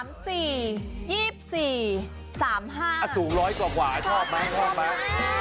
อ๋อมีฉันเห็นอันหนึ่ง๓๔๒๔๓๕สูงร้อยกว่ากว่าชอบมั้ยชอบมั้ยชอบมั้ย